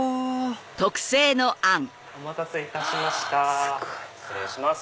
お待たせいたしました失礼します。